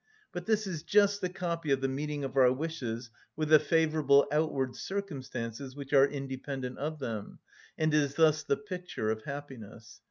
But this is just the copy of the meeting of our wishes with the favourable outward circumstances which are independent of them, and is thus the picture of happiness.